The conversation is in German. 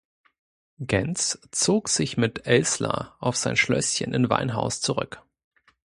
Gentz zog sich mit Elßler auf sein Schlösschen in Weinhaus zurück.